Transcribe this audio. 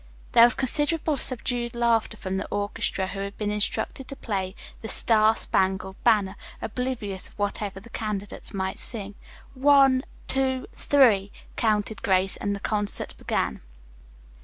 There was considerable subdued laughter from the orchestra, who had been instructed to play "The Star Spangled Banner," oblivious of whatever the candidates might sing. "One, two, three!" counted Grace, and the concert began.